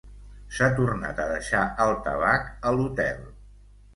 S'ha tornat a deixar el tabac a l'hotel.